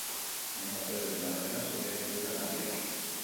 Lehenengo azterketen arabera, zauriak ez dira larriak.